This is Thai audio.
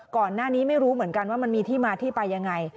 ก่อนหน้านี้ไม่รู้เหมือนกันว่ามันมีที่มาที่ไปยังไง